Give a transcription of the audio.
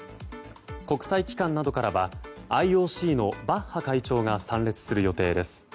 国際機関などからはＩＯＣのバッハ会長が参列する予定です。